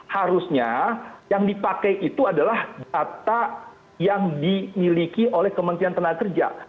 harusnya yang dipakai itu adalah data yang dimiliki oleh kementerian tenaga kerja